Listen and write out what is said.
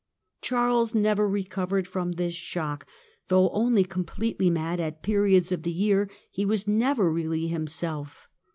Charles never re covered from this shock ; though only completely mad at periods of the year he was never really himself.